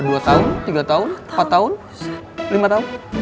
dua tahun tiga tahun empat tahun lima tahun